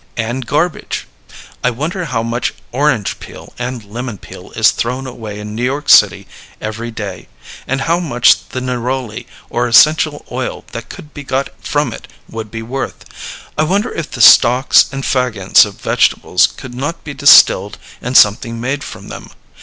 And garbage! I wonder how much orange peel and lemon peel is thrown away in New York City every day, and how much the neroli or essential oil that could be got from it would be worth. I wonder if the stalks and fag ends of vegetables could not be distilled and something made from them.